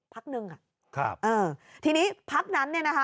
พักนึงอะเออทีนี้พักนั้นเนี่ยนะคะ